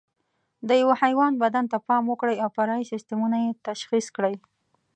د یوه حیوان بدن ته پام وکړئ او فرعي سیسټمونه یې تشخیص کړئ.